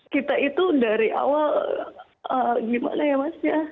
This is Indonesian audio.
kita itu dari awal gimana ya mas ya